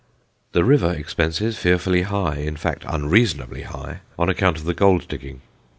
The river expenses fearfully high, in fact, unreasonably high, on account of the gold digging.